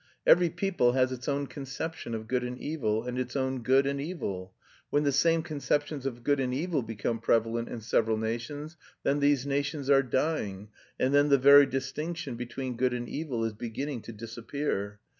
Every people has its own conception of good and evil, and its own good and evil. When the same conceptions of good and evil become prevalent in several nations, then these nations are dying, and then the very distinction between good and evil is beginning to disappear.